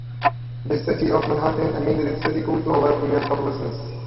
The City of Manhattan amended its city code to allow female toplessness.